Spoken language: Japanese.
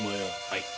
はい。